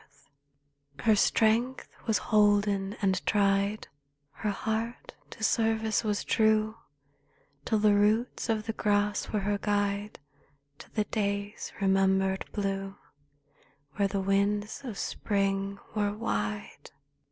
44 THE CLOUD Her strength was holden and tried, Her heart to service was true, Till the roots of the grass were guide To the day's remembered blue, Where the winds of Spring were wide.